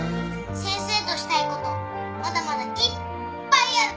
先生としたいことまだまだいっぱいあるから。